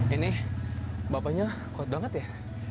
ini bapaknya kuat banget ya